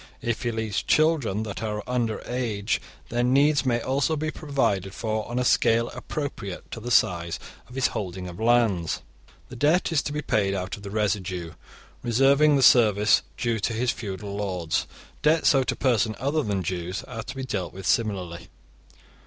If he leaves children that are under age, their needs may also be provided for on a scale appropriate to the size of his holding of lands. The debt is to be paid out of the residue, reserving the service due to his feudal lords. Debts owed to persons other than Jews are to be dealt with similarly.